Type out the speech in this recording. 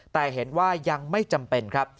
แต่เห็นว่ายังไม่จำเป็นครับ